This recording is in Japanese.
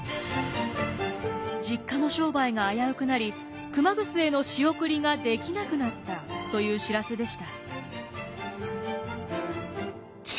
実家の商売が危うくなり熊楠への仕送りができなくなったという知らせでした。